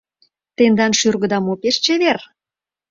Тендан шӱргыда мо пеш чевер?